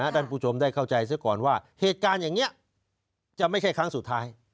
ท่านผู้ชมได้เข้าใจเสียก่อนว่าเหตุการณ์อย่างนี้จะไม่ใช่ครั้งสุดท้าย